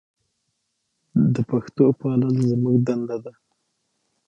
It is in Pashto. د پښتو پالل زموږ دنده ده.